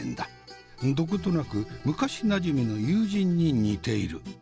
どことなく昔なじみの友人に似ている。